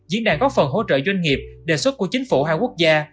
diễn đàn góp phần hỗ trợ doanh nghiệp đề xuất của chính phủ hai quốc gia